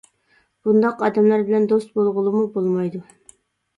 بۇنداق ئادەملەر بىلەن دوست بولغىلىمۇ بولمايدۇ.